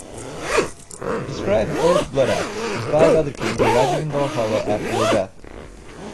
It describes Eric Bloodaxe and five other kings arriving in Valhalla after their death.